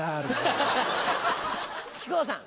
木久扇さん。